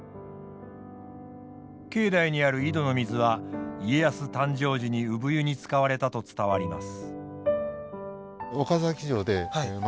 境内にある井戸の水は家康誕生時に産湯に使われたと伝わります。